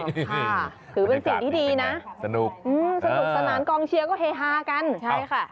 ถือเป็นเสียงที่ดีนะสนุกสนานกองเชียร์ก็เฮฮากันใช่ค่ะ